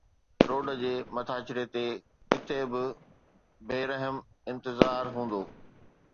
road جي مٿاڇري تي ڪٿي بي رحم انتظار هوندو